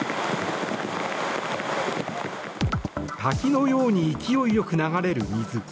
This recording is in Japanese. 滝のように勢い良く流れる水。